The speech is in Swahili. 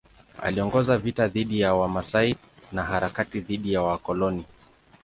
Aliongoza vita dhidi ya Wamasai na harakati dhidi ya wakoloni.